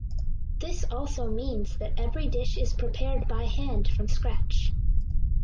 This also means that every dish is prepared by hand from scratch.